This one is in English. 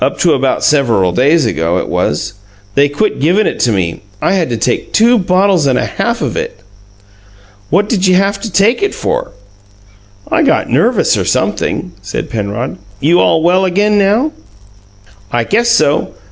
"Up to about serreval days ago, it was. They quit givin' it to me. I had to take two bottles and a half of it." "What did you haf to take it for?" "I got nervous, or sumpthing," said Penrod. "You all well again now?" "I guess so.